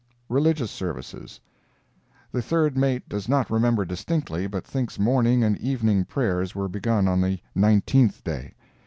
RELIGIOUS SERVICES The third mate does not remember distinctly, but thinks morning and evening prayers were begun on the nineteenth day.